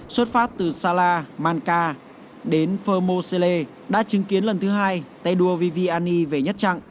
xuất phát từ sala manca đến fomosele đã chứng kiến lần thứ hai tay đua viviani về nhất trạng